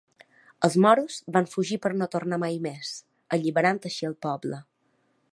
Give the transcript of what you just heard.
Els Moros van fugir per a no tornar mai més, alliberant així el poble.